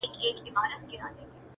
نه په عقل نه په فکر کي جوړیږي -